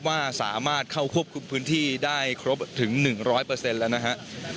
ว่าสามารถเข้าควบคุมพื้นที่ได้ครบถึงหนึ่งร้อยเปอร์เซ็นต์แล้วนะฮะ